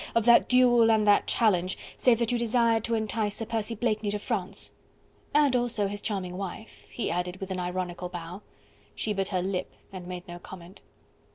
of that duel and that challenge, save that you desired to entice Sir Percy Blakeney to France?" "And also his charming wife," he added with an ironical bow. She bit her lip, and made no comment.